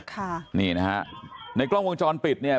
ค่ะนี่นะฮะในกล้องวงจรปิดเนี่ย